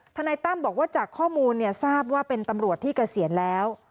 นายตั้มบอกว่าจากข้อมูลทราบว่าเป็นตำรวจที่เกษียณแล้ว